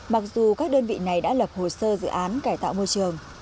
mặc dù các đơn vị này đã lập hồ sơ dự án cải tạo môi trường